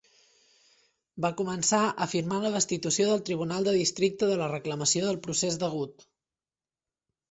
Va començar afirmant la destitució del Tribunal de Districte de la reclamació del procés degut.